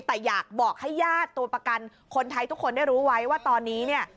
แต่อยากบอกให้ญาติตัวประกันคนไทยทุกคนได้รู้ไว้ว่าตอนนี้เนี่ย